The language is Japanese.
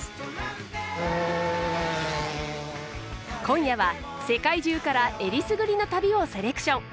今夜は世界中からえりすぐりの旅をセレクション。